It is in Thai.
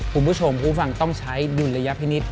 คุณผู้ชมคุณผู้ฟังต้องใช้ดูลระยะพินิษฐ์